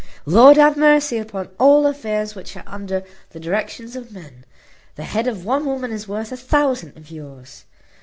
Lord have mercy upon all affairs which are under the directions of men! The head of one woman is worth a thousand of yours."